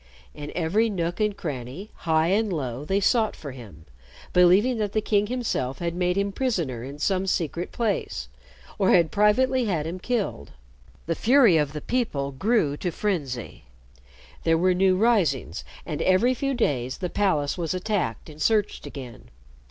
In every nook and cranny, high and low, they sought for him, believing that the king himself had made him prisoner in some secret place, or had privately had him killed. The fury of the people grew to frenzy. There were new risings, and every few days the palace was attacked and searched again.